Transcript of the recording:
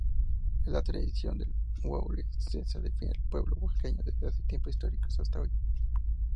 La tradición de "Guelaguetza" define al pueblo Oaxaqueño, desde tiempos históricos hasta hoy.